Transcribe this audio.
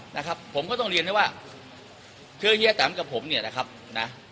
นะครับผมก็ต้องเรียนให้ว่าคือเฮียแตมกับผมเนี่ยนะครับนะ